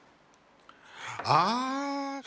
ああ！